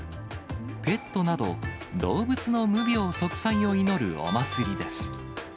ペットなど、動物の無病息災を祈るお祭りです。